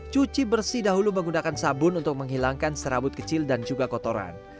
cuci bersih dahulu menggunakan sabun untuk menghilangkan serabut kecil dan juga kotoran